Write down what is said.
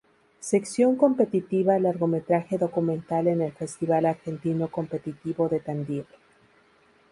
Sección Competitiva Largometraje Documental en el Festival Argentino Competitivo de Tandil.